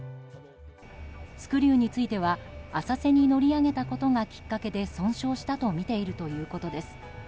スクリューについては浅瀬に乗り上げたことがきっかけで損傷したとみているということです。